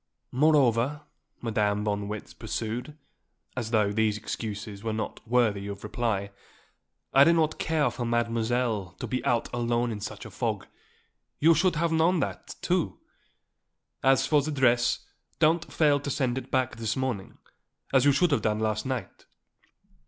"Moreover," Madame von Marwitz pursued, as though these excuses were not worthy of reply, "I do not care for Mademoiselle to be out alone in such a fog. You should have known that, too. As for the dress, don't fail to send it back this morning as you should have done last night."